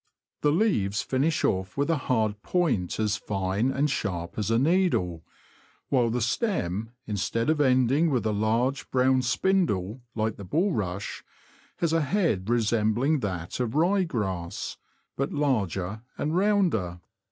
The leaves finish off with a hard point as fine and sharp as a needle ; while the stem, instead of ending with a large, brown spindle, like the bulrush, has a head resembling that of rye grass, but larger and rounder.